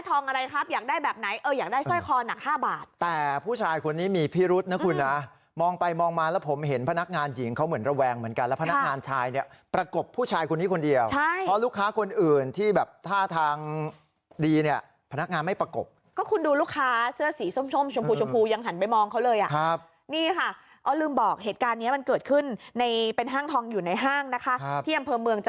ตอนน่ะ๕บาทแต่ผู้ชายคนนี้มีพิรุษนะคุณนะมองไปมองมาแล้วผมเห็นพนักงานหญิงเขาเหมือนระแวงเหมือนกันแล้วพนักงานชายเนี่ยประกบผู้ชายคนนี้คนเดียวเพราะลูกค้าคนอื่นที่แบบท่าทางดีเนี่ยพนักงานไม่ประกบก็คุณดูลูกค้าเสื้อสีส้มชมชมชมพูยังหันไปมองเขาเลยอ่ะนี่ค่ะเอาลืมบอกเหตุการณ์นี้มันเกิดขึ